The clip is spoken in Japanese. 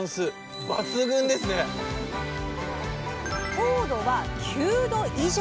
糖度は９度以上。